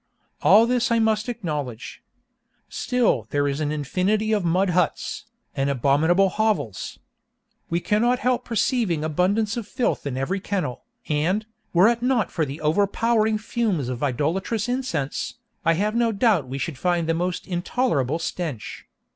All this I must acknowledge. Still there is an infinity of mud huts, and abominable hovels. We cannot help perceiving abundance of filth in every kennel, and, were it not for the over powering fumes of idolatrous incense, I have no doubt we should find a most intolerable stench.